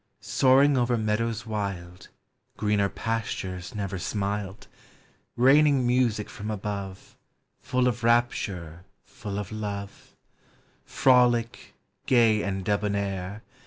Soaring over meadows wild (Greener pastures never smiled) ; Eaining music from above, Full of rapture, full of love; Frolic, gay and debonair, ANIMATE XATURE.